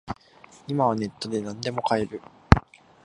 今はネットでなんでも買える